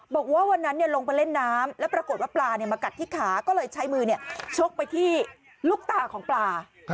บอกว่าวันนั้นลงไปเล่นน้ำแล้วปรากฏว่าปลามากัดที่ขาก็เลยใช้มือชกไปที่ลูกตาของปลา